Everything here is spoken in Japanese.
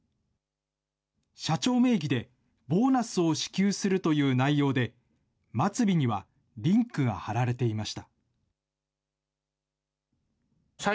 社長名義で、ボーナスを支給するという内容で、末尾にはリンクが貼られていました。